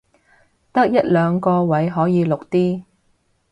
得一兩個位可以綠的